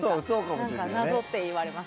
謎って言われます。